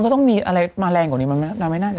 ต้องมีอะไรมาแรงกว่านี้มันไม่น่าจะ